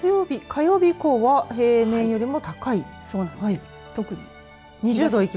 月曜日、火曜日以降は平年よりも高い。